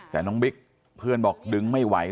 แต่น้องบิ๊กเพื่อนบอกดึงไม่ไหว